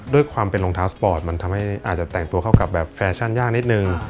ด้วยความเป็นรองเท้าสปอร์ตมันทำให้อาจจะแต่งตัวเข้ากับแบบแฟชั่นยากนิดนึง